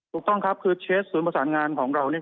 ถูกต้องครับคือเชฟศูนย์ประสานงานของเราเนี่ย